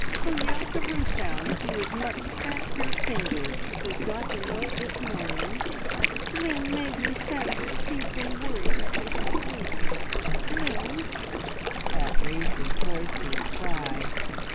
Who yelled the roof down if you as much as scratched your finger! We got the note this morning " "Glynn made me send it. He's been worrying at me for weeks. Glynn!" Pat raised his voice to a cry.